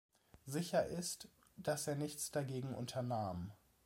Sicher ist, dass er nichts dagegen unternahm.